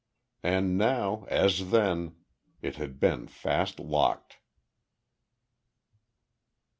And now, as then, it had been fast locked.